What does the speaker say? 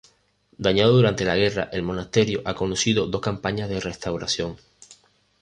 Dañado durante la guerra, el monasterio ha conocido dos campañas de restauración.